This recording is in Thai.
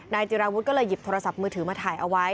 จิราวุฒิก็เลยหยิบโทรศัพท์มือถือมาถ่ายเอาไว้